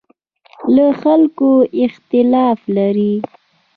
له خلکو اختلاف لري.